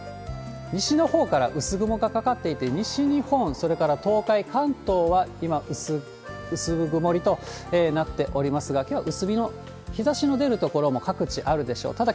西のほうから薄雲がかかっていて、西日本、それから東海、関東は今、薄曇りとなっておりますが、きょうは薄日の日ざしの出る所も各地あるでしょう。